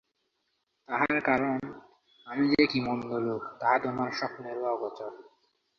তাহার কারণ, আমি যে কী মন্দ লোক তাহা তোমার স্বপ্নেরও অগোচর।